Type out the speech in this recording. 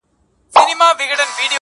او فضا بې حرکته ولاړه ده،